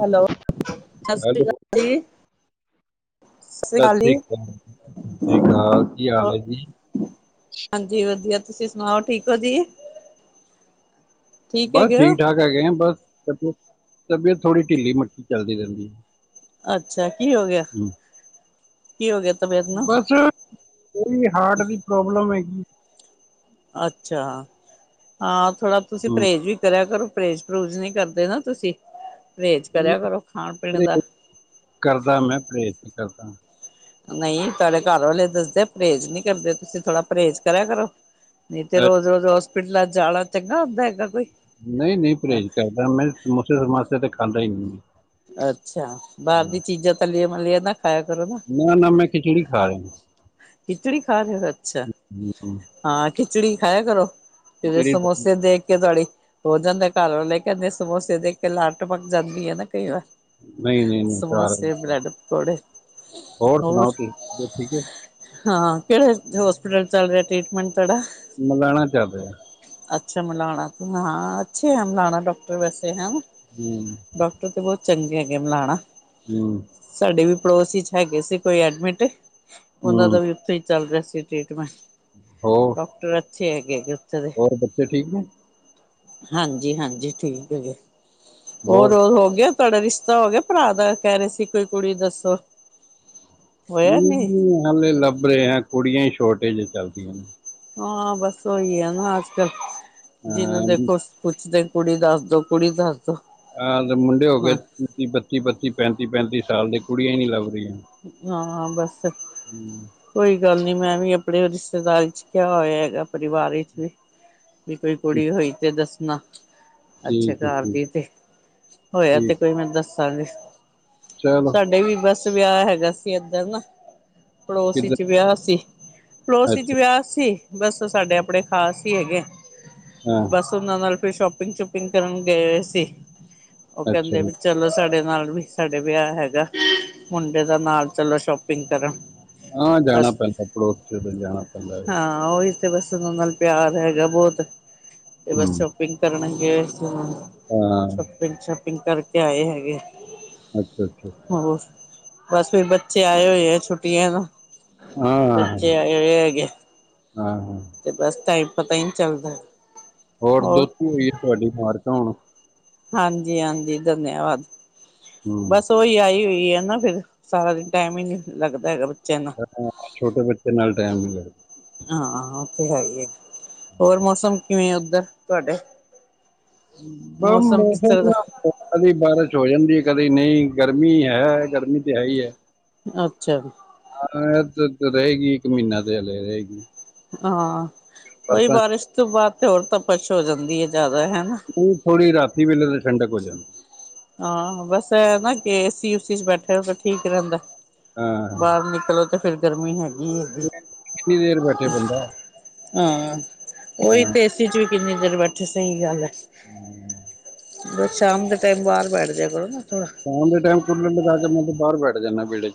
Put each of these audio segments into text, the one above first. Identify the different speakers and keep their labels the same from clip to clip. Speaker 1: Hello, ਸਤਿ ਸ਼੍ਰੀ
Speaker 2: hello
Speaker 1: ਅਕਾਲ ਜੀ। ਸ੍ਰੀ ਅਕਾਲ
Speaker 2: ਸਤਿ
Speaker 1: ਜੀ
Speaker 2: ਸ਼੍ਰੀ [unintelligible] ਅਕਾਲ ਕੀ ਹਾਲ
Speaker 1: ਹੋ
Speaker 2: ਹੈ ਜੀ?
Speaker 1: ਹਾਂਜੀ ਵਧੀਆ ਤੁਸੀਂ ਸੁਣਾਓ ਠੀਕ ਔ ਜੀ?
Speaker 2: ਬਸ
Speaker 1: ਹੈਗੇ ਹੋ
Speaker 2: ਠੀਕ- ਠਾਕ ਹੈਗੇ ਆ ਬਸ ਤਬੀਅਤ, ਤਬੀਅਤ ਥੋੜੀ ਢਿੱਲੀ ਮੱਠੀ ਚੱਲਦੀ ਰਹਿੰਦੀ।
Speaker 1: ਅੱਛਾ ਕੀ ਹੋ ਗਿਆ?
Speaker 2: ਹਮ।
Speaker 1: ਕੀ ਹੋ ਗਿਆ ਤਬੀਅਤ ਨੂੰ
Speaker 2: ਬਸ, ਥੋੜੀ ਜ਼ੀ ਹਾਰਟ ਦੀ ਪ੍ਰੋਬਲਮ ਹੈਗੀ।
Speaker 1: ਅੱਛਾ, ਹਾਂ ਥੋੜਾ ਤੁਸੀਂ
Speaker 2: ਹਮ।
Speaker 1: ਪਰਹੇਜ਼ ਵੀ ਕਰਿਆ ਕਰੋ। ਪਰਹੇਜ਼ ਪਰੂਜ਼ ਨੀ ਕਰਦੇ ਨਾ ਤੁਸੀਂ ਪਰਹੇਜ਼ ਕਰਿਆ ਕਰੋ ਖਾਣ ਪੀਣ ਦਾ।
Speaker 2: ਪਰਹੇਜ਼ ਕਰਦਾ ਮੈਂ ਪਰਹੇਜ ਕਰਦਾ।
Speaker 1: ਨਹੀਂ ਤੁਹਾਡੇ ਘਰ ਵਾਲੇ ਦੱਸਦੇ ਪਰਹੇਜ਼ ਨਹੀਂ ਕਰਦੇ ਤੁਸੀਂ ਥੋੜਾ ਪਰਹੇਜ਼ ਕਰਿਆ ਕਰੋ। ਨਹੀਂ ਤੇ
Speaker 2: ਅ,
Speaker 1: ਰੋਜ਼ ਰੋਜ਼ ਹੋਸਪਿਟਲਾਂ ਚ ਜਾਣਾ ਚੰਗਾ ਹੁੰਦਾ ਹੈਗਾ ਕੋਈ?
Speaker 2: ਨਹੀਂ ਨਹੀਂ ਪਰਹੇਜ਼ ਕਰਦਾ, ਮੈਂ ਸਮੋਸੇ ਸਮਾਸੇ ਤੇ ਖਾਂਦਾ ਈ ਨੀ।
Speaker 1: ਅੱਛਾ। ਬਾਹਰ ਦੀ ਚੀਜ਼ਾਂ ਤਲਿਆਂ-ਮਲਿਆਂ ਨਾ ਖਾਯਾ ਕਰੋ ਨਾ।
Speaker 2: ਨਾ-ਨਾ ਮੈਂ ਖਿਚੜੀ ਖਾ ਰਯਾ।
Speaker 1: ਖਿਚੜੀ ਖਾ ਰਹੇ ਹੋ, ਅੱਛਾ
Speaker 2: ਹਮ,
Speaker 1: ਹਾਂ ਖਿਚੜੀ ਖਾਯਾ ਕਰੋ। ਕਿਦਰੇ
Speaker 2: ਖਿਚੜੀ
Speaker 1: ਸਮੋਸੇ ਦੇਖ ਕੇ ਤੁਵਾਡੀ ਹੋ ਜਾਂਦਾ ਘਰ ਵਾਲੈ ਕਹਿੰਦੇ ਸਮੋਸੇ ਦੇਖ ਕੇ ਲਾਰ ਟੱਪਕ ਜਾਂਦੀ ਹੈ ਨਾ ਕਈ ਵਾਰ
Speaker 2: ਨਹੀਂ-ਨਹੀਂ- ਨਹੀਂ ਘਾਰ,
Speaker 1: ਸਮੋਸੇ ਬ੍ਰੈਡ ਪਕੌੜੇ
Speaker 2: ਹੋਰ ਸੁਣਾਓ ਤੁਸੀ ਠੀਕ?
Speaker 1: ਹਾਂ ਕੇੜੇ ਹੋਸਪਿਟਲ ਚੱਲ ਰਯਾ ਟ੍ਰੀਟਮੈਂਟ ਤੁਵਾਡਾ?
Speaker 2: ਮੌਲਾਨਾ ਚੱਲ ਰਯਾ।
Speaker 1: ਅੱਛਾ, ਮੌਲਾਨਾ ਹਾਂ ਅੱਛੇ ਹੈ ਮੌਲਾਨਾ ਡਾਕਟਰ ਵੈਸੇ ਹੈਣਾ?
Speaker 2: ਹੂੰ
Speaker 1: ਓਥੇ ਬਹੁਤ ਚੰਗੇ ਹੈਗੇ ਮੌਲਾਨਾ।
Speaker 2: [unintelligible]
Speaker 1: ਸਾਡੇ ਵੀ ਪੜੋਸ ਚ ਹੈਗੇ ਸੀ ਕੋਈ ਐਡਮਿਟ ਉਹਨਾਂ
Speaker 2: ਹੂੰ
Speaker 1: ਦਾ ਵੀ ਉੱਥੇ ਈ ਚੱਲ ਰਿਹਾ ਸੀ, ਟ੍ਰੀਟਮੈਂਟ
Speaker 2: ਹੋ
Speaker 1: ਡਕਟਰ ਅੱਛੇ ਹੈਗੇ, ਉਥੇ ਦੇ।
Speaker 2: ਬੱਚੇ ਠੀਕ ਨੇ
Speaker 1: ਹਾਂਜੀ -ਹਾਂਜੀ ਠੀਕ ਹੈਗੇ, ਹੋਰ ਉਹ ਹੋ ਗਿਆ। ਤੁਹਾਡਾ ਰਿਸ਼ਤਾ ਹੋ ਗਿਆ ਭਰਾ ਦਾ, ਕਹਿ ਰਹੇ ਸੀ ਕੋਈ ਕੁੜੀ ਦੱਸੋ ਹੋਇਆ ਨਹੀਂ
Speaker 2: ਹਾਲੇ ਲੱਭ ਰਹੇ ਆ। ਕੁੜੀਆਂ ਹੀ ਸ਼ੋਰਟੇਜ ਚੱਲਦੀਆਂ ਨੇ,
Speaker 1: ਹਾਂ, ਬਸ ਉਹੀ ਆ ਨਾ ਅੱਜ- ਕੱਲ, ਜਿਹਨੂੰ ਦੇਖੋ ਕੁਛ ਤੇ ਕੁੜੀ ਦੱਸ ਦੋ ਕੁੜੀ ਦੱਸ ਦੋ
Speaker 2: ਆਹ ਤੇ ਮੁੰਡੇ ਹੋ ਗਏ
Speaker 1: ਹਾਂ
Speaker 2: ਬੱਤੀ -ਬੱਤੀ, ਪੈਂਤੀ -ਪੈਂਤੀ ਸਾਲ ਦੇ, ਕੁੜੀਆਂ ਹੀ ਨੀ ਲੱਭ ਰਹੀਆਂ।
Speaker 1: ਹਾਂ-ਹਾਂ ਬੱਸ
Speaker 2: ਹੂੰ
Speaker 1: ਕੋਈ ਗੱਲ ਨੀ ਮੈਂ ਵੀ ਆਪਣੇ ਰਿਸ਼ਤੇਦਾਰੀ 'ਚ ਕਿਆ ਹੋਇਆ ਹੈਗਾ। ਪਰਿਵਾਰ ਵਿੱਚ ਵੀ ਵੀ ਕੋਈ ਕੁੜੀ ਹੋਈ ਤੇ ਦੱਸਣਾ ਅੱਛਾ
Speaker 2: ਠੀਕ ਹੈ
Speaker 1: ਘਰ
Speaker 2: ਠੀਕ
Speaker 1: ਦੀ ਤੇ, ਹੋਇਆ ਤੇ
Speaker 2: ਠੀਕ
Speaker 1: ਕੋਈ ਮੈਂ ਦੱਸਾਂਗੇ
Speaker 2: ਚਲੋ
Speaker 1: ਸਾਡੇ ਵੀ ਬਸ ਵਿਆਹ ਹੈਗਾ ਸੀ। ਏਧਰ ਨਾ ਪੜੋਸੀ 'ਚ
Speaker 2: ਕਿੱਧਰ
Speaker 1: ਵਿਆਹ ਸੀ, ਪੜੋਸੀ 'ਚ
Speaker 2: ਅੱਛਾ
Speaker 1: ਵਿਆਹ ਸੀ। ਬਸ ਸਾਡੇ, ਆਪਣੇ ਖ਼ਾਸ ਹੀ ਹੈਗੇ।
Speaker 2: ਹਾਂ
Speaker 1: ਬਸ ਉਹਨਾਂ ਨਾਲ ਫਿਰ ਸ਼ੋਪਿੰਗ ਸ਼ੂਪਿੰਗ ਕਰਨ ਗਏ ਸੀ। ਉਹ
Speaker 2: ਅੱਛਾ
Speaker 1: ਕਹਿੰਦੇ
Speaker 2: ਜੀ
Speaker 1: ਚਲੋ ਸਾਡੇ ਨਾਲ ਵੀ, ਸਾਡੇ ਵਿਆਹ ਹੈਗਾ। ਮੁੰਡੇ ਦਾ ਨਾਲ ਚਲੋ ਸ਼ੋਪਿੰਗ ਕਰਨ,
Speaker 2: ਹਾਂ ਜਾਣਾ
Speaker 1: ਬਸ
Speaker 2: ਪੈਂਦਾ, ਪੜੋਸ ਤੇ ਜਾਣਾ ਪੈਂਦਾ।
Speaker 1: ਹਾਂ ਉਹੀ ਤੇ ਬਸ, ਉਹਨਾ ਨਾਲ ਪਿਆਰ ਹੈਗਾ ਬਹੁਤ, ਤੇ
Speaker 2: ਹੂੰ
Speaker 1: ਬਸ ਸ਼ੋਪਿੰਗ ਕਰਨਗੇ।
Speaker 2: ਹਾਂ
Speaker 1: ਸ਼ੋਪਿੰਗ- ਸ਼ਾਪਿੰਗ ਕਰਕੇ ਆਏ ਹੈਗੇ।
Speaker 2: ਅੱਛਾ- ਅੱਛਾ
Speaker 1: ਹੋਰ ਬਸ ਵੀ ਬੱਚੇ ਆਏ ਹੋਏ ਆ ਛੁੱਟੀਆਂ ਨੂੰ,
Speaker 2: ਹਾਂ
Speaker 1: ਬੱਚੇ ਆਏ ਹੋਏ ਹੈਗੇ
Speaker 2: ਹਾਂ- ਹਾਂ
Speaker 1: ਤੇ ਬਸ ਟਾਈਮ ਪਤਾ ਹੀ ਨਹੀਂ ਚੱਲਦਾ।
Speaker 2: ਹੋਰ ਦੋਤੀ ਹੋਈ ਹੈ। ਤੁਹਾਡੀ ਮਾਰ ਤਾਂ ਹੁਣ
Speaker 1: ਹਾਂਜੀ -ਹਾਂਜੀ ਧੰਨਵਾਦ,
Speaker 2: ਹੂੰ
Speaker 1: ਬਸ। ਸੋਈ ਆਈ ਹੋਈ ਹੈ ਨਾ ਫਿਰ, ਸਾਰਾ ਦਿਨ ਟਾਈਮ ਹੀ ਨੀ ਲੱਗਦਾ ਹੈਗਾ। ਬੱਚਿਆਂ ਨਾਲ
Speaker 2: ਹਾਂ, ਛੋਟੇ ਬੱਚੇ ਨਾਲ ਟਾਈਮ ਨਈ ਮਿਲਦਾ
Speaker 1: ਹਾਂ ਉਥੇ ਹੈ ਹੀ ਹੈ, ਹੋਰ ਮੌਸਮ ਕਿਵੇਂ ਆ ਉੱਧਰ, ਤੁਹਾਡੇ
Speaker 2: ਹਾ
Speaker 1: ਕਿਸ
Speaker 2: ਮੌਸਮ
Speaker 1: ਤਰ੍ਹਾਂ
Speaker 2: ਥੋੜ੍ਹਾ ਕਦੇ ਬਾਰਿਸ਼ ਹੋ ਜਾਂਦੀ ਹੈ, ਕਦੇ ਨਈ, ਗਰਮੀ ਹੈ ਗਰਮੀ ਤੇ ਹੈ ਹੀ ਹੈ
Speaker 1: ਅੱਛਾ ਜੀ
Speaker 2: ਹਾਂ ਇਹ ਤੇ ਰਹੇਗੀ, ਇੱਕ ਮਹੀਨਾ ਤੇ ਹਲੇ ਰਹੇਗੀ
Speaker 1: ਹਾਂ,
Speaker 2: ਪਰ
Speaker 1: ਉਹੀ
Speaker 2: ਤਾਂ
Speaker 1: ਬਾਰਿਸ਼ ਤੋਂ ਬਾਅਦ ਤੇ ਹੋਰ ਤਪਛ ਹੋ ਜਾਂਦੀ ਹੈ ਜ਼ਿਆਦਾ ਹਨਾ
Speaker 2: ਉਹ ਥੋੜ੍ਹੀ ਰਾਤੀ ਵੇਲੇ ਤਾਂ ਠੰਡਕ ਹੋ ਜਾਦੀ
Speaker 1: ਹਾਂ, ਬਸ ਨਾ ਕਿ ਏਸੀ ਸੀ 'ਚ ਬੈਠੇ ਰਹੋ ਤਾਂ ਠੀਕ ਰਹਿੰਦਾ
Speaker 2: ਹਾਂ
Speaker 1: ਬਾਹਰ ਨਿਕਲੋ ਤੇ ਫਿਰ ਗਰਮੀ ਹੈਗੀ
Speaker 2: ਕਿੰਨੀ ਦੇਰ ਬੈਠੇ
Speaker 1: [unintelligible]
Speaker 2: ਬੰਦਾ
Speaker 1: ਹਾਂ ਉਹੀ
Speaker 2: ਹਾਂ
Speaker 1: ਤੇ ਏਸੀ 'ਚ ਵੀ ਕਿੰਨੀ ਦੇਰ ਬੈਠੇ ਸਹੀ ਗੱਲ ਹੈ।
Speaker 2: ਹਮ
Speaker 1: ਬਸ ਸ਼ਾਮ ਦੇ ਟਾਈਮ ਬਾਹਰ ਬੈਠ ਜਾਇਆ ਕਰੋ ਨਾ, ਥੋੜ੍ਹਾ
Speaker 2: ਸੋਨ ਦੇ ਟਾਈਮ ਕੂਲਰ ਚਲਾ ਕੇ [unintelligible] ਬੈਠ ਜਾਨਾ ਵੇੜੇ ਚ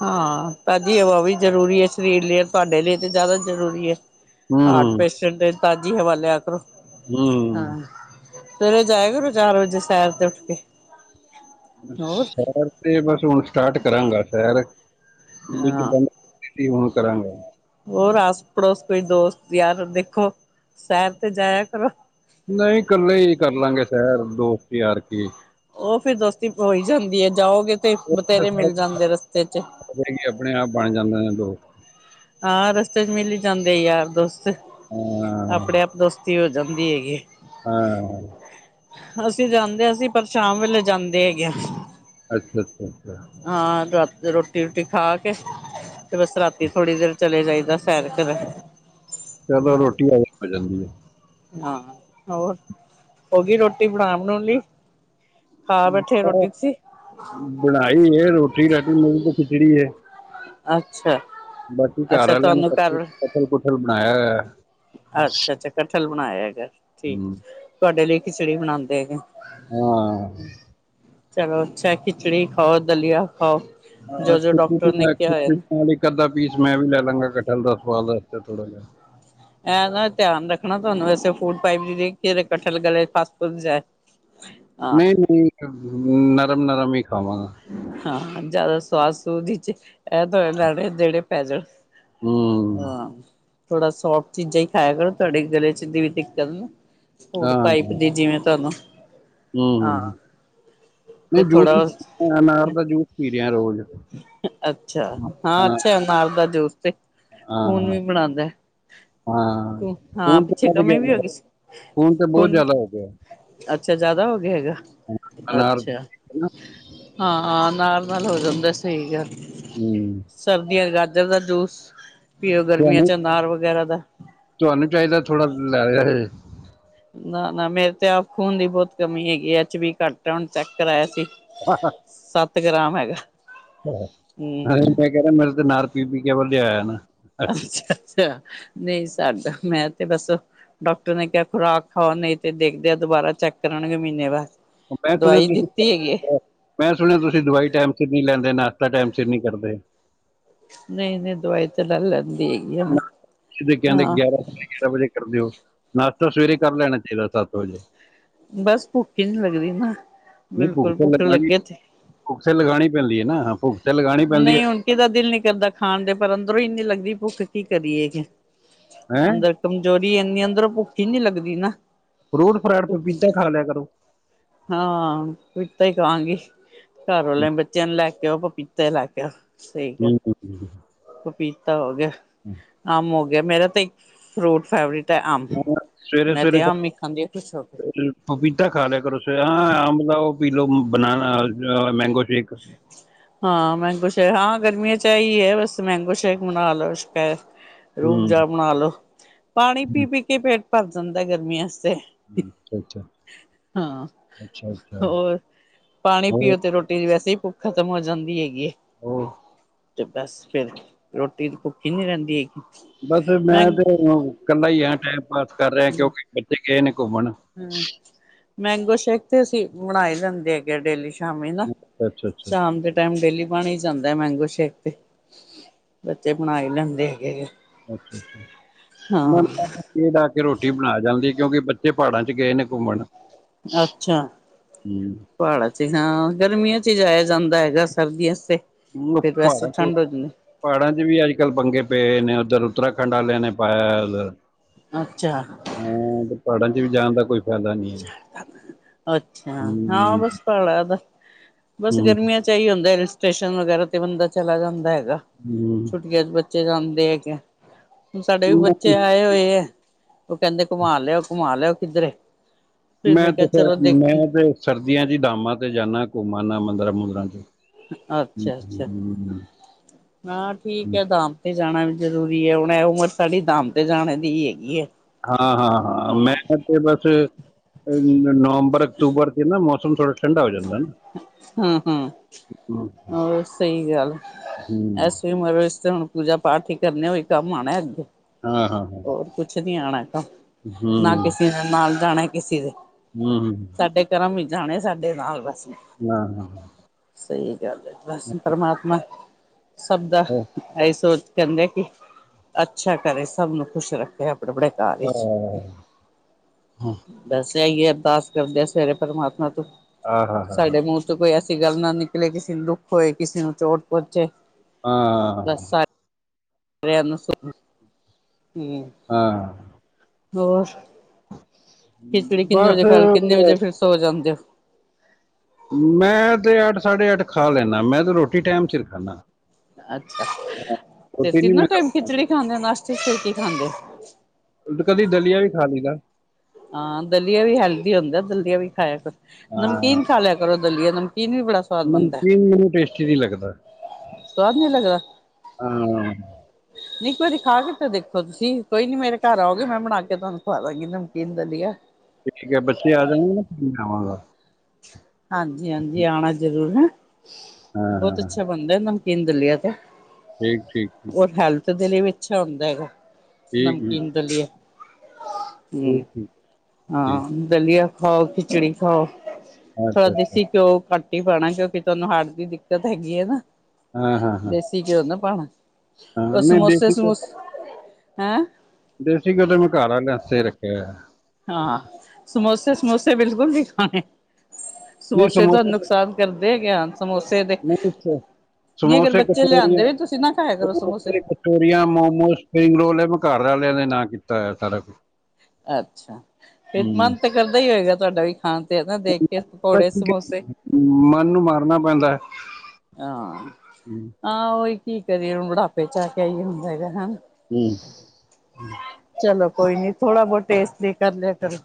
Speaker 1: ਹਾਂ ਭਾਜੀ ਹਵਾ ਵੀ ਜ਼ਰੂਰੀ ਐ ਸਰੀਰ ਲਈ ਔਰ ਤੁਹਾਡੇ ਲਈ ਤੇ ਜ਼ਿਆਦਾ ਜ਼ਰੂਰੀ ਐ।
Speaker 2: ਹੂੰ
Speaker 1: ਹਾਰਟ
Speaker 2: ਹੂੰ
Speaker 1: ਪੇਸ਼ੈਂਟ ਤੇ ਤਾਜ਼ੀ ਹਵਾ ਲਿਆ ਕਰੋ
Speaker 2: ਹੂੰ
Speaker 1: ਹਾਂ ਸਵੇਰੇ ਜਾਇਆ ਕਰੋ ਚਾਰ ਵਜੇ ਸੈਰ ਤੇ ਉੱਠ ਕੇ ਹੋਰ
Speaker 2: ਸੈਰ ਤੇ ਬਸ ਹੁਣ ਸਟਾਰਟ ਕਰਾਂਗਾ ਸੈਰ ਵਿੱਚ
Speaker 1: ਹਾਂ
Speaker 2: ਬੰਦ ਜੀ ਹੁਣ ਕਰਾਂਗਾ
Speaker 1: ਹੋਰ ਆਸ ਪੜੋਸ ਦੇ ਦੋਸਤ ਯਾਰ ਦੇਖੋ ਸੈਰ ਤੇ ਜਾਇਆ ਕਰੋ।
Speaker 2: ਨਈ ਕੱਲੇ ਹੀ ਕਰਲਾਂਗੇ ਸੈਰ ਦੋਸਤ ਯਾਰ ਕੀ
Speaker 1: ਉਹ ਫਿਰ ਦੋਸਤੀ ਹੋਈ ਜਾਂਦੀ ਐ ਜਾਓਗੇ ਤੇ ਬਥੇਰੇ ਮਿਲ ਜਾਂਦੇ ਐ ਰਸਤੇ ਚ
Speaker 2: ਹੋਰ ਕਿ ਆਪਣੇ ਆਪ ਬਣ ਜਾਂਦੇ ਨੇ ਦੋਸਤ
Speaker 1: ਹਾਂ ਰਸਤੇ ਚ ਮਿਲ ਹੀ ਜਾਂਦੇ ਯਾਰ ਦੋਸਤ
Speaker 2: ਹਾਂ
Speaker 1: ਆਪਣੇ ਆਪ ਦੋਸਤੀ ਹੋ ਜਾਂਦੀ ਹੈਗੀ।
Speaker 2: ਹਾਂ
Speaker 1: ਅਸੀਂ ਜਾਂਦੇ ਅਸੀ ਪਰ ਸ਼ਾਮ ਵੇਲੇ ਜਾਂਦੇ ਹੈਗੇ ਆ
Speaker 2: ਅੱਛਾ, ਅੱਛਾ, ਅੱਛਾ
Speaker 1: ਹਾਂ ਰਾਤ ਦੀ ਰੋਟੀ ਰੂਟੀ ਖਾ ਕੇ ਤੇ ਬਸ ਰਾਤੀ ਥੋੜ੍ਹੀ ਦੇਰ ਚਲੇ ਜਾਈਦਾ ਸੈਰ ਕਰਨ
Speaker 2: ਚਲੋ
Speaker 1: ਹਾਂ
Speaker 2: ਰੋਟੀ ਹਾਜਮ ਹੋ ਜਾਂਦੀ ਐ।
Speaker 1: ਹਾਂ ਹੋਰ ਹੋਗੀ ਰੋਟੀ ਬਣਾ ਬਣੁ ਲਈ? ਖਾ ਬੈਠੇ ਰੋਟੀ ਤੁਸੀਂ
Speaker 2: ਬਣਾਈ ਐ ਰੋਟੀ ਰਾਟੀ ਮੇਰੀ ਤੇ ਖਿਚੜੀ ਐ।
Speaker 1: ਅੱਛਾ
Speaker 2: ਬਾਕੀ ਘਰ
Speaker 1: ਅੱਛਾ
Speaker 2: ਵਾਲਿਆਂ ਨੇ
Speaker 1: ਤੁਹਾਨੂੰ
Speaker 2: ਕਥਲ ਕਠਲ ਕੁਠਲ ਬਣਾਇਆ ਐ।
Speaker 1: ਅੱਛਾ-ਅੱਛਾ ਕਠਲ ਬਣਾਇਆ ਹੈਗਾ, ਠੀਕ ਤੁਹਾਡੇ ਲਈ ਖਿਚੜੀ ਬਣਾਦੇ ਹੈਗੇ।
Speaker 2: ਹਾਂ
Speaker 1: ਚਲੋ ਅੱਛਾ ਖਿਚੜੀ ਖਾਓ ਦਲੀਆ ਖਾਓ।
Speaker 2: ਹਾਂ
Speaker 1: ਜੋ ਜੋ
Speaker 2: ਖਿਚੜੀ
Speaker 1: ਡਾਕਟਰ ਨੇ ਕਿਹਾ ਹੋਇਆ ਨਾ
Speaker 2: ਨਾਲ ਇੱਕ ਅੱਧਾ ਪੀਸ ਮੈਂ ਵੀ ਲੈ ਲਾਂਗਾ ਕਠਲ ਦਾ ਸਵਾਦ ਲਗਦਾ ਥੋੜਾ ਜਿਹਾ
Speaker 1: ਇਹ ਧਿਆਨ ਰੱਖਣਾ ਤੁਹਾਨੂੰ ਵੈਸੇ ਫੂਡ ਪਾਇਪ ਕਠਲ ਗਲੇ ਚ ਫੱਸ ਫੂਸ ਜਾਏ [inaudible]
Speaker 2: ਨਈ-ਨਈ ਨਰਮ-ਨਰਮ ਹੀ ਖਾਵਾਂਗਾ
Speaker 1: ਹਾਂ ਜ਼ਿਆਦਾ ਸਵਾਦ ਸੁਵਾਦ ਚ ਇਹ ਲੈਣੇ ਦੇਣੇ ਪੈ ਜਾਣ
Speaker 2: ਹੂੰ
Speaker 1: ਹਾਂ ਥੋੜਾ ਸੋਫਟ ਚੀਜ਼ਾਂ ਹੀ ਖਾਇਆ ਕਰੋ ਤੁਹਾਡੇ ਗਲੇ ਚ ਦੀ ਵੀ ਦਿੱਕਤ ਨਾ ਫੂਡ
Speaker 2: ਹਾਂ
Speaker 1: ਪਾਈਪ ਦੀ ਜਿਵੇਂ ਤੁਹਾਨੂੰ
Speaker 2: ਹੂੰ,
Speaker 1: ਹਾਂ ਤੇ
Speaker 2: ਨਈ ਰੋਜ
Speaker 1: ਥੋੜਾ
Speaker 2: ਅਨਾਰ ਦਾ ਜੂਸ ਪੀ ਰਿਹਾ ਰੋਜ਼,
Speaker 1: ਅੱਛਾ ਹਾਂ
Speaker 2: ਹਾ।
Speaker 1: ਅੱਛਾ ਅਨਾਰ ਦਾ ਜੂਸ ਤੇ, ਖੂਨ ਵੀ ਬਣਾਦਾ ਐ।
Speaker 2: ਹਾਂ
Speaker 1: ਤੂੰ ਹਾਂ
Speaker 2: ਖੂਨ ਤੇ
Speaker 1: ਪਿੱਛੇ
Speaker 2: ਵੱਧ ਗਿਆ
Speaker 1: ਕਮੀ ਵੀ ਹੋ ਗਈ ਸੀ
Speaker 2: ਖੂਨ ਤੇ ਬਹੁਤ
Speaker 1: ਹੁਣ
Speaker 2: ਜ਼ਿਆਦਾ ਹੋ ਗਿਆ
Speaker 1: ਅੱਛਾ ਜਿਆਦਾ ਹੋਗ ਹੈਗਾ,
Speaker 2: ਅਨਾਰ
Speaker 1: ਅੱਛਾ
Speaker 2: ਹੂੰ
Speaker 1: ਹਾਂ ਨਾਲ ਨਾਲ ਹੋ ਜਾਂਦਾ, ਸਹੀ ਗੱਲ
Speaker 2: ਹੂੰ।
Speaker 1: ਸਰਦੀਆਂ ਚ ਗਾਜਰ ਦਾ ਜੂਸ ਪੀਓ,
Speaker 2: ਤੁਹਾਨੂੰ
Speaker 1: ਗਰਮੀਆਂ ਚ ਅਨਾਰ ਵਗੈਰਾ ਦਾ।
Speaker 2: ਤੁਹਾਨੂੰ ਚਾਹੀਦਾ ਥੋੜ੍ਹਾ ਲੈ ਲਿਆ ਇਹ
Speaker 1: ਨਾ-ਨਾ ਮੇਰੇ ਤੇ ਆਪ ਖੂਨ ਦੀ ਬਹੁਤ ਕਮੀ ਹੈਗੀ ਐ, ਐਚ ਬੀ ਘੱਟ ਹੁਣ ਚੈੱਕ ਕਰਾਇਆ ਸੀ।
Speaker 2: [inaudible]
Speaker 1: ਸੱਤ ਗ੍ਰਾਮ ਹੈਗਾ।
Speaker 2: ਮੈਂ
Speaker 1: ਹੂੰ
Speaker 2: ਕਹਿਣਾ ਮੇਰੇ ਤੇ ਨਾਰ ਪੀ-ਪੀ ਕੇ ਵਧੀਆ ਹੋਇਆ ਨਾ।
Speaker 1: ਅੱਛਾ-ਅੱਛਾ, ਨਹੀਂ ਸਾਡਾ ਮੈਂ ਤੇ ਬਸ ਡਾਕਟਰ ਨੇ ਕਿਹਾ ਖੁਰਾਕ ਖਾਓ, ਨਈ ਤੇ ਦੇਖਦੇ ਆਂ ਦੁਬਾਰਾ ਚੈੱਕ ਕਰਨਗੇ ਮਹੀਨੇ
Speaker 2: ਮੈਂ
Speaker 1: ਬਾਅਦ।
Speaker 2: ਸੁਣਿਆ
Speaker 1: ਦਵਾਈ
Speaker 2: ਤੁਸੀਂ
Speaker 1: ਦਿੱਤੀ ਹੈਗੀ ਏ।
Speaker 2: ਮੈਂ ਸੁਣਿਆ ਤੁਸੀਂ ਦਵਾਈ ਟੈਮ ਸਿਰ ਨੀ ਲੈਂਦੇ, ਨਾਸ਼ਤਾ ਟੈਮ ਸਿਰ ਨਹੀਂ ਕਰਦੇ।
Speaker 1: ਨਹੀਂ ਨਹੀਂ ਦਵਾਈ ਤਾਂ ਲੈ ਲੈਂਦੀ ਹੈਗੀ। ਆ ਮੈਂ
Speaker 2: ਨਾ ਕਿਹਦੇ ਕਹਿੰਦੇ
Speaker 1: ਹਾਂ
Speaker 2: ਗਿਆਰਾਂ ਨਹੀਂ ਗਿਆਰਾਂ ਵਜੇ ਕਰਦੇ ਓ, ਨਾਸ਼ਤਾ ਸਵੇਰੇ ਕਰ ਲੈਣਾ ਚਾਹੀਦਾ ਸੱਤ ਵਜੇ।
Speaker 1: ਬਸ ਭੁੱਖ ਹੀ ਨੀ ਲੱਗਦੀ ਨਾ, ਬਿਲਕੁਲ ਭੁੱਖ ਲੱਗੇ ਤੇ
Speaker 2: ਭੁਖ ਤੇ ਲਗਾਉਣੀ ਪੈਂਦੀ ਐ ਨਾ, ਭੁ
Speaker 1: ਨਹੀਂ ਹੁਣ ਕਿਦਾ ਦਿਲ ਨੀ ਕਰਦਾ ਖਾਣ ਦੇ ਪਰ, ਅੰਦਰੋਂ ਹੀ ਨੀ ਲੱਗਦੀ ਭੁੱਖ ਕੀ ਕਰੀਏ ਜੀ।
Speaker 2: ਹੈਂ
Speaker 1: ਅੰਦਰ ਕਮਜ਼ੋਰੀ ਇੰਨੀ ਅੰਦਰੋਂ ਭੁੱਖੀ ਹੀ ਨੀ ਲੱਗਦੀ ਨਾ।
Speaker 2: ਫਰੂਟ ਫਰਾਟ
Speaker 1: ਭੁੱਖ
Speaker 2: ਪਪੀਤਾ ਖਾ ਲਿਆ ਕਰੋ।
Speaker 1: ਹਾਂ ਪਪੀਤਾ ਹੀ ਖਾਂਵਾਂਗੀ, ਘਰ ਵਾਲੇ ਬੱਚਿਆਂ ਨੂੰ ਲੈ ਕੇ ਆਓ ਪਪੀਤਾ ਤੇ ਲੱਗ ਗਿਆ ਸਹੀ ਕਿਹਾ
Speaker 2: ਹੂੰ।
Speaker 1: ਪਪੀਤਾ ਹੋ ਗਿਆ, ਅਮ ਹੋ ਗਿਆ, ਮੇਰਾ ਤਾਂ ਇੱਕ ਫਰੂਟ ਫੇਵਰੇਟ ਤੇ ਅਮ,
Speaker 2: ਸਵੇਰੇ
Speaker 1: ਮੈਂ
Speaker 2: ਸਵੇਰੇ
Speaker 1: ਤੇ ਅਮ ਹੀ ਖਾਂਦੀ ਆ ਖੁਸ਼ ਹੋ ਕੇ।
Speaker 2: ਪਪੀਤਾ ਖਾ ਲਿਆ ਕਰੋਂ, ਆ ਹਾਂ ਅੰਬ ਉਹ ਲਾਓ ਪੀ ਲੋਓ, ਬਨਣਾ ਆ ਮੈਂਗੋ ਸ਼ੇਕ।
Speaker 1: ਜ [inaudible] ਹਾਂ, ਮੈਂਗੋ ਸ਼ੇਕ ਹਾਂ ਗਰਮੀਆਂ ਚ ਆ ਹੀ ਐ, ਬਸ ਮੈਂਗੋ ਬਣਾ ਲਓ ਸ਼ਕੇ
Speaker 2: ਹੂੰ
Speaker 1: ਰੂਅਫਜਾ ਬਣਾ ਲੋ, ਪਾਣੀ ਪੀ ਪੀ ਕੇ ਪੇਟ ਭਰ ਜਾਂਦਾ ਗਰਮੀਆਂ ਚ ਤੇ।
Speaker 2: ਹੂੰ, ਅੱਛਾ-ਅੱਛਾ,
Speaker 1: ਹਾਂ,
Speaker 2: ਅੱਛਾ-ਅੱਛਾ,
Speaker 1: ਹੋਰ? ਪਾਣੀ
Speaker 2: ਹੋਰ
Speaker 1: ਪੀਓ ਤੇ ਰੋਟੀ ਦੀ ਵੈਸੇ ਹੀ ਭੁੱਖ ਖ਼ਤਮ ਹੋ ਜਾਂਦੀ ਹੈਗੀ ਐ।
Speaker 2: ਹੋਰ
Speaker 1: ਤੇ ਬਸ ਫੇਰ ਰੋਟੀ ਭੁੱਖੀ ਹੀ ਨੀ ਰਹਿੰਦੀ ਹੈਗੀ।
Speaker 2: ਬਸ ਮੈਂ ਤੇ ਇਕੱਲਾ ਹੀ ਆ ਟੈਮ ਪਾਸ ਕਰ ਰਿਹਾ, ਕਿਉਂਕਿ ਬੱਚੇ ਗਏ ਨੇ ਘੁੰਮਣ।
Speaker 1: ਹੂੰ, ਮੈਂਗੋ ਸ਼ੇਕ ਤੇ ਅਸੀਂ ਬਣਾਈ ਲੈਂਦੇ ਹੈਗੇ ਆ ਡੇਲੀ ਸ਼ ਸ਼ਾਮੀ ਨਾ,
Speaker 2: ਅੱਛਾ-ਅੱਛਾ,
Speaker 1: ਸ਼ਾਮ ਦੇ ਟੈਮ ਡੇਲੀ ਬਣ ਹੀ ਜਾਂਦਾ ਹੈ ਮੈਂਗੋ ਸ਼ੇਕ ਤੇ, ਬੱਚੇ ਬਣਾ ਹੀ ਲੈਂਦੇ ਹੈਗੇ।
Speaker 2: ਅੱਛਾ ਅੱਛਾ, ਮ
Speaker 1: ਹਾਂ
Speaker 2: ਮੇਡ ਆ ਕੇ ਰੋਟੀ ਬਣਾ ਜਾਂਦੀ, ਕਿਉਂਕਿ ਬੱਚੇ ਪਹਾੜਾਂ ਚ ਗਏ ਨੇ ਘੁੰਮਣ।
Speaker 1: ਅੱਛਾ।
Speaker 2: ਹੂੰ,
Speaker 1: ਪਹਾੜਾਂ 'ਚ ਹਾਂ ਗਰਮੀਆਂ ਚ ਹੀ ਜਾਇਆ ਜਾਂਦਾ ਹੈਗਾ, ਸਰਦੀਆਂ ਤੇ ਫੇਰ ਵੈਸੇ
Speaker 2: ਪਹਾੜਾਂ 'ਚ
Speaker 1: ਠੰਡ ਹੋ ਜਾਂਦੀ।
Speaker 2: ਪਹਾੜਾਂ 'ਚ ਵੀ ਅੱਜ ਕੱਲ੍ਹ ਪੰਗੇ ਪਏ ਨੇ, ਉੱਧਰ ਉੱਤਰਾਖੰਡ ਆਲਿਆਂ ਨੇ ਪਾਇਆ।
Speaker 1: ਅੱਛਾ
Speaker 2: ਹਾਂ, ਤੇ ਪਹਾੜਾਂ 'ਚ ਵੀ ਜਾਣ ਦਾ ਕੋਈ ਫਾਇਦਾ ਨਹੀਂ ਹੈ।
Speaker 1: ਅੱਛਾ, ਹਾਂ
Speaker 2: ਹੂੰ,
Speaker 1: ਬਸ ਪਹਾਂੜਾਂ ਦਾ, ਬਸ
Speaker 2: ਹੂੰ,
Speaker 1: ਗਰਮੀਆਂ 'ਚ ਇਹੀ ਹੁੰਦਾ, ਹਲ ਸਟੇਸ਼ਨ ਵਗੈਰਾ ਤੇ ਬੰਦਾ ਚਲਾ ਜਾਂਦਾ ਹੈਗਾ ਵਾ।
Speaker 2: ਹੂੰ
Speaker 1: ਬੱਚੇ ਜਾਂਦੇ ਹੈਗੇ, ਹੁਣ ਸਾਡੇ ਵੀ ਬੱਚੇ ਆਏ ਹੋਏ ਆ। ਉਹ ਕਹਿੰਦੇ ਘੁਮਾ ਲਿਆਓ ਘੁਮਾ ਲਿਓ ਕਿੱਧਰੇ। ਫਿਰ
Speaker 2: ਮੈਂ
Speaker 1: ਕਿਹਾ
Speaker 2: ਤੇ ਫਰ
Speaker 1: ਚਲੋ ਦੇਖਤੀ
Speaker 2: ਮੈਂ ਤੇ ਸਰਦੀਆਂ ਚ ਹੀ ਧਾਮਾਂ ਤੇ ਜਾਂਦਾ ਘੁੰਮਣ ਮੰਦਰਾਂ ਮੁੰਦਰਾਂ 'ਚ। ਹਾਂ,
Speaker 1: ਅੱਛਾ, ਅੱਛਾ ਹਾਂ, ਠੀਕ ਹੈ, ਧਾਮ। ਤੇ ਜਾਣਾ ਵੀ ਜ਼ਰੂਰੀ ਹੈ। ਹੁਣ ਇਹ ਉਮਰ ਸਾਡੀ ਧਾਮ ਤੇ ਜਾਣੇ ਦੀ ਹੈਗੀ ਹੈ।
Speaker 2: ਹਾਂ ਹਾਂ ਹਾਂ ਮੈਂ ਤਾਂ ਤੇ ਬਸ, ਨਵੰਬਰ, ਅਕਤੂਬਰ ਚ' ਨਾ ਮੌਸਮ ਥੋੜ੍ਹਾ ਠੰਡਾ ਹੋ ਜਾਂਦਾ ਨਾ।
Speaker 1: ਹਂ, ਹਂ
Speaker 2: ਹੂੰ,
Speaker 1: ਹੋਰ ਸਹੀ ਗੱਲ
Speaker 2: ਹੂੰ,
Speaker 1: ਇਸ ਉਮਰ ਵਿਚ ਤੇ ਹੁਣ ਪੂਜਾ-ਪਾਠ ਹੀ ਕਰਨੇ ਓਹੀ ਕੰਮ ਆਣਾ ਅੱਗੋਂ
Speaker 2: ਹਾਂ, ਹਾਂ, ਹਾਂ,
Speaker 1: ਹੋਰ ਕੁਛ ਨੀ ਆਣਾ [unintelligible] ਨਾ ਕਿਸੇ ਨੇ ਨਾਲ ਜਾਣਾ ਕਿਸੇ ਦੇ
Speaker 2: ਹਂ, ਹਂ
Speaker 1: ਸਾਡੇ ਕਰਮ ਵੀ ਜਾਣੇ, ਸਾਡੇ ਨਾਲ ਬਸ।
Speaker 2: ਵ ਹਾਂ [unintelligible]
Speaker 1: ਸਹੀ ਗੱਲ ਐ, ਬਸ ਪਰਮਾਤਮਾ ਸਭ ਦਾ ਇਹ ਸੋਚ ਕਹਿੰਦੇ ਆ ਕਿ, ਅੱਛਾ ਕਰੇ, ਸਭ ਨੂੰ ਖੁਸ਼ ਰੱਖੇ, ਆਪਣੇ ਬੜੇ ਘਰ ਵਿੱਚ ਬਸ ਇਈਏ ਅਰਦਾਸ ਕਰਦੇ ਐ ਸਵੇਰੇ ਪ੍ਰਮਾਤਮਾ ਤੂੰ ਸਾਡੇ ਮੂੰਹ ਚ ਕੋਈ ਐਸੀ ਗੱਲ ਨਾ ਨਿਕਲੇ, ਕਿਸੇ ਨੂੰ ਦੁੱਖ ਹੋਏ, ਕਿਸੇ ਨੂੰ ਚੋਟ ਪੋਚੇ
Speaker 2: ਹਾਂ
Speaker 1: [unintelligible] ਹਂ
Speaker 2: ਹਾਂ।
Speaker 1: ਹੋਰ, ਖਿਚੜੀ ਕਿੰਨੇ
Speaker 2: ਬਸ
Speaker 1: ਵਜੇ ਖਾਂਈ, ਕਿੰਨੇ ਵਜੇ ਫਿਰ ਸੋ ਜਾਂਦੇ ਔ?
Speaker 2: ਮੈਂ ਤੇ ਅੱਠ, ਸਾਢੇ ਅੱਠ ਖਾ ਲੈਣਾ। ਮੈਂ ਤੇ ਰੋਟੀ ਟਾਈਮ ਸਿਰ ਖਾਂਣਾ।
Speaker 1: ਅੱਛਾ, ਤੇ
Speaker 2: ਨੀ
Speaker 1: ਤਿੰਨੋਂ ਟਾਈਮ
Speaker 2: ਮੈਂ
Speaker 1: ਖਿਚੜੀ ਖਾਂਦੇ ਨਾਸ਼ਤੇ ਚ ਫਿਰ ਕੀ ਖਾਂਦੇ?
Speaker 2: ਉਟ, ਕਦੀ ਦਲੀਆ ਵੀ ਖਾ ਲੀਦਾ।
Speaker 1: ਹਾਂ, ਦਲੀਆ ਵੀ ਹੈਲਦੀ ਹੁੰਦਾ, ਦਲੀਆ ਵੀ ਖਾਇਆ ਕਰੋ
Speaker 2: ਹਾਂ
Speaker 1: ਨਮਕੀਨ ਖਾ ਲਿਆ ਕਰੋ ਦਲੀਆ ਨਮਕੀਨ ਵੀ ਬੜਾ ਸਵਾਦ ਬਣਦਾ
Speaker 2: ਨਮਕੀਨ ਮੈਨੂੰ ਟੇਸਟੀ ਨ੍ਹੀਂ ਲੱਗਦਾ।
Speaker 1: ਸਵਾਦ ਨੀ
Speaker 2: ਹਾਂ
Speaker 1: ਨੀਂ ਇਕ ਵਾਰੀ ਖਾ ਕੇ ਤੇ ਦੇਖੋ ਤੁਸੀਂ, ਕੋਈ ਨੀ ਮੇਰੇ ਘਰ ਆਓਗੇ, ਮੈਂ ਬਣਾ ਕੇ ਤੁਹਾਨੂੰ ਖਾਵਾ ਦਾਂਗੀ ਨਮ ਕੀਨ ਦਲੀਆ।
Speaker 2: ਠੀਕ ਐ, ਬੱਚੇ ਆ ਜਾਣਗੇ, ਫੇਰ ਮੈਂ ਆਵਾਂਗਾ।
Speaker 1: ਹਾਂਜੀ, ਹਾਂਜੀ ਆਣਾ ਜ਼ਰੂਰ ਹੈਂ, ਬਹੁਤ ਅੱਛਾ ਬੰਦਾ ਨਮਕੀਨ ਦਲੀਆ ਤੇ, ਔਰ ਹੈਲਥ ਦੇ ਲਈ ਵੀ ਅੱਛਾ ਹੁੰਦਾ ਹੈਗਾ। ਨਮਕੀਨ ਦਲੀਆ। ਹਂ, ਹਾਂ, ਦਲੀਆ ਖਾਓ, ਖਿਚੜੀ ਖਾਓ। ਥੋੜਾ ਦੇਸੀ ਘਿਓ ਘਟ ਈ ਪਾਣਾ, ਕਿਉਂਕਿ ਤੁਹਾਨੂੰ ਹਾਟ ਦੀ ਦਿੱਕਤ ਹੈਗੀ ਐ ਨਾ।
Speaker 2: ਹਾਂ, ਹਾਂ, ਹਾਂ।
Speaker 1: [unintelligible] ਪਾਣਾ ਉਹ ਸਮੋਸੇ ਸਮੂਸੇ, ਹੈਂ?
Speaker 2: ਦੇਸੀ ਘਿਉ ਤੇ ਮੈ ਘਰ ਆਲਿਆ ਆਸਤੇ ਰੱਖਿਆ ਹੋਇਆ।
Speaker 1: ਹਾਂ, ਸਮੋਸੇ-ਸਮੂਸੇ ਬਿਲਕੁਲ ਨ੍ਹੀਂ ਖਾਣੇ, ਸਮੋਸੇ ਤੋਂ ਨੁਕਸਾਨ ਕਰਦੇ ਗਿਆ। ਸਮੋਸੇ ਦੇ, ਨ੍ਹੀਂ ਅਗਰ
Speaker 2: ਸਮੋਸੇ
Speaker 1: ਬੱਚੇ
Speaker 2: ਕਚੋਰੀਆਂ
Speaker 1: ਲਿਆਂਦੇ ਵੀ, ਤੁਸੀਂ ਨਾ ਖਾਇਆ ਕਰੋ ਸਮੋਸੇ
Speaker 2: ਕਚੋਰੀਆਂ, ਮੋਮੋਸ, ਸਪਰਿੰਗ ਰੋਲ ਇਹ ਮੈਂ ਘਰ ਵਾਲਿਆਂ ਨੇ ਨਾਂ ਕੀਤਾ ਹੋਇਆ ਸਾਰਾ ਕੁਛ
Speaker 1: ਅੱਛਾ, ਫੇਰ ਮਨ ਤਾਂ ਕਰਦਾ ਈ ਹੋਏਗਾ ਤੁਹਾਡਾ ਵੀ ਖਾਣ ਜਗਹ ਦੇਖ ਕੇ
Speaker 2: ਬਸ
Speaker 1: ਪਕੌੜੇ,
Speaker 2: ਠੀਕ ਹੈ,
Speaker 1: ਸਮੋਸੇ
Speaker 2: ਮਨ ਨੂੰ ਮਾਰਨਾ ਪੈਂਦਾ ਐ।
Speaker 1: ਹਾਂ, ਆਹ ਉਹੀ ਕੀ ਕਰੀਏ, ਬੁਢਾਪੇ ਚ ਆ ਕੇ, ਆਈ ਹੁੰਦਾ ਹੈਗਾ ਨਾ।
Speaker 2: ਹਂ।
Speaker 1: ਚਲੋ ਕੋਈ ਨੀ, ਥੋੜਾ-ਬਹੁਤ ਟੇਸਟ ਲਈ ਕਰ ਲਿਆ ਕਰੋ।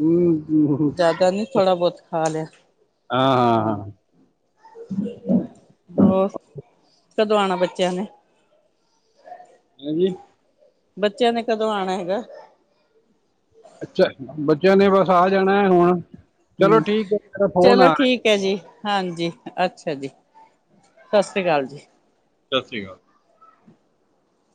Speaker 2: ਹੂੰ, ਹੂੰ।
Speaker 1: ਜਿਆਦਾ ਨੀ ਥੋੜਾ-ਬਹੁਤ ਖਾ ਲਿਆ।
Speaker 2: ਹਾਂ ਹਾਂ ਹਾਂ
Speaker 1: ਹੋਰ, ਕਦੋਂ ਆਣਾ ਬੱਚਿਆਂ ਨੇ?
Speaker 2: ਹਾਂਜੀ।
Speaker 1: ਬੱਚਿਆਂ ਨੇ ਕਦੋਂ ਆਉਣਾ ਹੈਗਾ?
Speaker 2: ਅੱਛਾ, ਬੱਚਿਆਂ ਨੇ ਬਸ ਆ ਜਾਣਾ ਹੈ ਹੁਣ, ਚਲੋ
Speaker 1: ਹਮ
Speaker 2: ਠੀਕ ਹੈ ਮੇਰਾ ਫੋਨ
Speaker 1: ਚਲੋ
Speaker 2: ਆ ਰਿਹਾ
Speaker 1: ਠੀਕ ਹੈ ਜੀ, ਹਾਂਜੀ, ਅੱਛਾ ਜੀ, ਸਤਿ ਸ੍ਰੀ ਅਕਾਲ ਜੀ
Speaker 2: ਸਤਿ ਸ਼੍ਰੀ ਅਕਾਲ